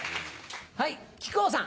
はい木久扇さん。